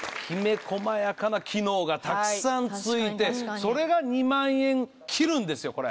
きめ細やかな機能がたくさん付いてそれが２万円切るんですよ